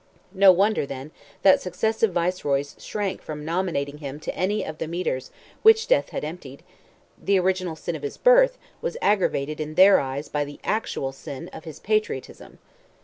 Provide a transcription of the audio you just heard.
No wonder, then, that successive Viceroys shrank from nominating him to any of the mitres which death had emptied; "the original sin of his birth" was aggravated in their eyes by the actual sin of his patriotism.